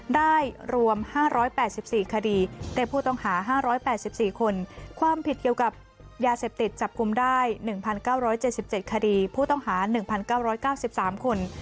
ได้รวม๕๘๔คดีได้ผู้ต้องหา๕๘๔คน